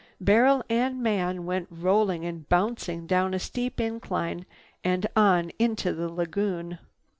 Barrel and man went rolling and bouncing down a steep incline and on into the lagoon.